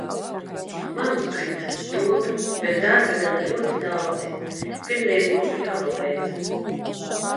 Manuskripts top, bet darbi vēl ir ļoti daudzi. Pirmdien būtu jāpabeidz.